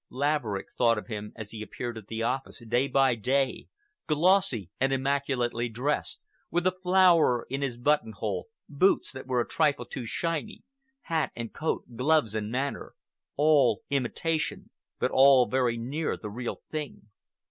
Laverick thought of him as he appeared at the office day by day, glossy and immaculately dressed, with a flower in his buttonhole, boots that were a trifle too shiny, hat and coat, gloves and manner, all imitation but all very near the real thing.